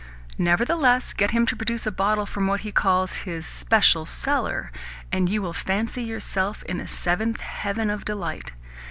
Nevertheless, get him to produce a bottle from what he calls his 'special cellar,' and you will fancy yourself in the seventh heaven of delight.